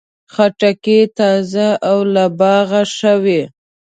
خټکی تازه او له باغه ښه وي.